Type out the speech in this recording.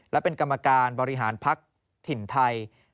และเป็นกรรมการบริหารพักถิ่นไทย